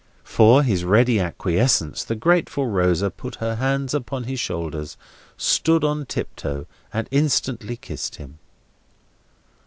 For his ready acquiescence, the grateful Rosa put her hands upon his shoulders, stood on tiptoe, and instantly kissed him.